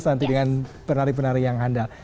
enam belas nanti dengan penari penari yang handal